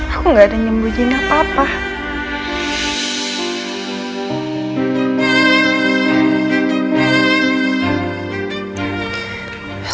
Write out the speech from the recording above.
aku gak ada nyembuhin apa apa